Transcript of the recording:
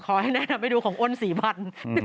ขอให้แนะนำไปดูของอ้นสี่พัน